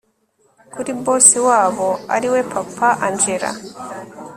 kuri boss wabo ariwe papa angella